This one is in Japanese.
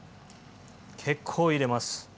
結構入れます。